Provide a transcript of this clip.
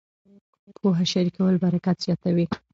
پوهه شریکول برکت زیاتوي.